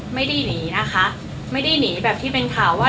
ไม่ได้หนีนะคะไม่ได้หนีแบบที่เป็นข่าวว่า